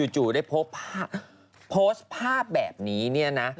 จู่ได้โพสต์ภาพแบบนี้เนี่ยนะ